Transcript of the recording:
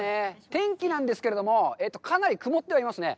天気なんですけれども、かなり曇っておりますね。